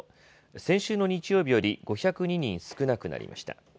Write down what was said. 先週の日曜日より５０２人少なくなりました。